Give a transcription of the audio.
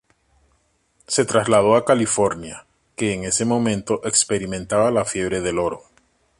Se trasladó a California, que en ese momento experimentaba la Fiebre del Oro.